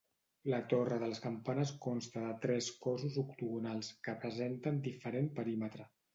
La torre de les campanes consta de tres cossos octogonals, que presenten diferent perímetre.